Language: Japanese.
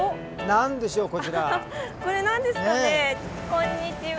こんにちは。